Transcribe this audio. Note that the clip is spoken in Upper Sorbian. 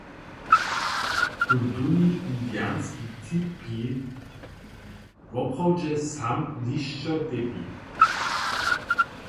Tón tuni indianski tipy woprawdźe sam lisćo těpi.